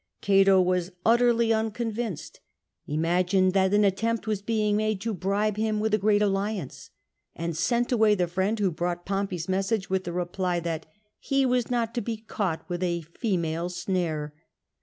Cato was utterly unconvinced, imagined that an attempt was being made to bribe him with a great alliance, and sent away the friend who brought Pompey's message with the reply that ''he was not to be caught with a female snare."